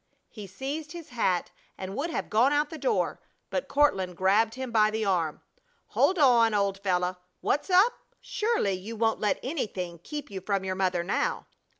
He seized his hat and would have gone out the door, but Courtland grabbed him by the arm. "Hold on, old fellow! What's up? Surely you won't let anything keep you from your mother now."